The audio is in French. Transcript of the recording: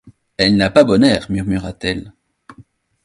Elle n’a pas bon air, murmura-t-elle.